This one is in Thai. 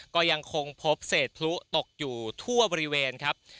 ก็ยังคงพบเศษพลุตกอยู่ทั่วบริเวณครับ